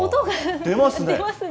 出ますね。